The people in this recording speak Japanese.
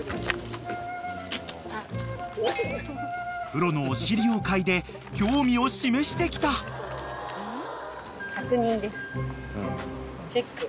［クロのお尻を嗅いで興味を示してきた］チェック。